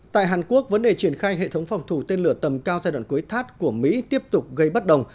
tại hàn quốc vấn đề triển khai hệ thống phòng thủ tên lửa tầm cao giai đoạn cuối thắt của mỹ tiếp tục gây bất đồng